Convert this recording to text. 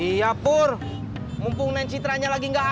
iya pur mumpung nen citranya lagi gak ada